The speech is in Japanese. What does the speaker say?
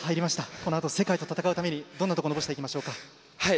このあと世界と戦うためにどんなことを残していきましょうか？